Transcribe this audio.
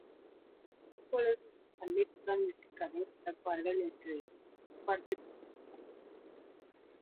எப்பொழுது பள்ளிக் கூடம் விட்டுக் கதவு திறப்பார்கள் என்று எதிர்பார்த்துக் கொண்டேயிருப்பாள்.